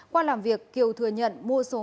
qua làm việc kiều thừa nhận mua số